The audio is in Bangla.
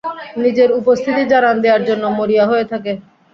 নিজের উপস্থিতি জানান দেয়ার জন্য মরিয়া হয়ে থাকে।